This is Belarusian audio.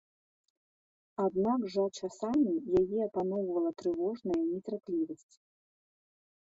Аднак жа часамі яе апаноўвала трывожная нецярплівасць.